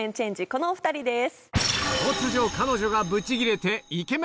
このお２人です。